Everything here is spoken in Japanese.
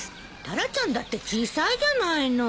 タラちゃんだって小さいじゃないの。